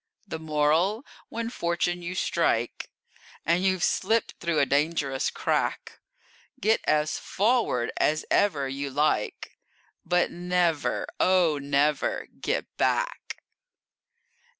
The Moral: When fortune you strike, And you've slipped through a dangerous crack, Get as forward as ever you like, But never, oh, never get back!